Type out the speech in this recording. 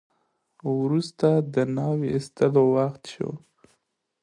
وروسته د ناوې د ایستلو وخت شو.